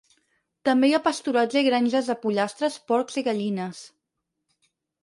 També hi ha pasturatge i granges de pollastres, porcs i gallines.